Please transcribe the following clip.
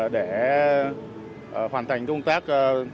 để hoàn thành công tác